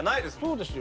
そうですよ。